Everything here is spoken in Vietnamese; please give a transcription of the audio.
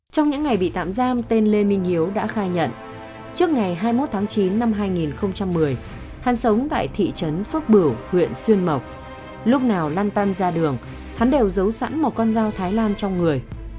trong những ngày bị tạm giam tên lê minh hiếu đã khai nhận trước ngày hai mươi một tháng chín năm hai nghìn một mươi hắn sống tại thị trấn phước bửu huyện xuyên mộc lúc nào lan tan ra đường hắn đều giấu sẵn một con dao thái lan trong người